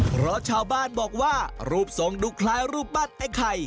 เพราะชาวบ้านบอกว่ารูปทรงดูคล้ายรูปปั้นไอ้ไข่